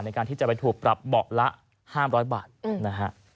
ในการที่จะไปถูกปรับเบาะละ๕๐๐บาทนะฮะ